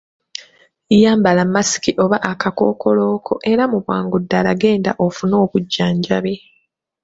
Yambala masiki oba akakookolo ko era mu bwangu ddala genda ofune obujjanjabi.